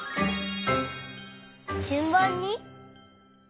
じゅんばんに？